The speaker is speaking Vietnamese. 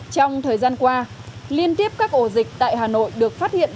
trong thời gian qua liên tiếp các ổ dịch tại hà nội được phát hiện